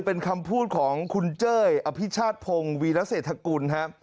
เป็นคำพูดของคุณเจ้ยอภิชาติพงศ์วีรเศรษฐกุลครับ